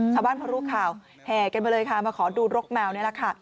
ชาวบ้านพอรู้ข่าวแห่กันไปเลยค่ะมาขอดูรกแมวนี่แหละค่ะ